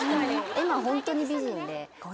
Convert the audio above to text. エマホントに美人で。